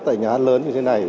tại nhà hát lớn như thế này